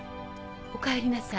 おかえりなさい。